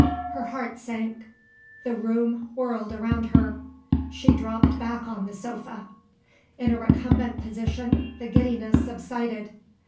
Her heart sank the room whirled round her she dropped back on the sofa. In a recumbent position, the giddiness subsided.